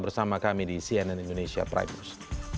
bersama kami di cnn indonesia prime news